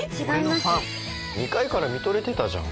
俺のファン２階から見とれてたじゃん